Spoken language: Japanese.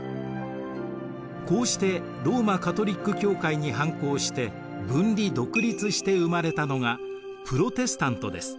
こうしてローマカトリック教会に反抗して分離独立して生まれたのがプロテスタントです。